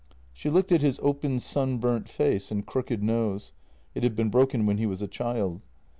She looked at his open sunburnt face and crooked nose; it had been broken when he was a child.